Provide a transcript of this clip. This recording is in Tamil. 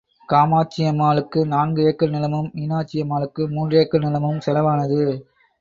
காமாட்சியம்மாளுக்கு நான்கு ஏக்கர் நிலமும், மீனாட்சியம்மாளுக்கு மூன்று ஏக்கர் நிலமும் செலவானது.